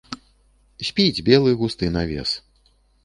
Спіць белы густы навес.